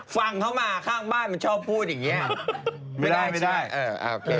ฟังเขามาข้างบ้านมันชอบพูดอย่างนี้